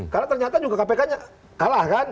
karena ternyata juga kpk kalah kan